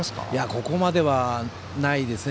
ここまではないですね。